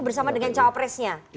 bersama dengan cawa presnya